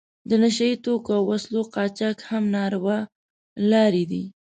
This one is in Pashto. د نشه یي توکو او وسلو قاچاق هم ناروا لارې دي.